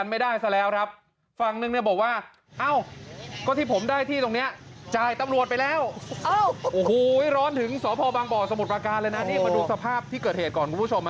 นี่มาดูสภาพที่เกิดเหตุก่อนครับคุณผู้ชม